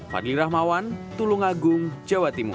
fadli rahmawan tulungagung jawa timur